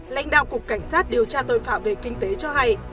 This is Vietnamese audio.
lãnh đạo cục cảnh sát điều tra tội phạm về kinh tế cho hay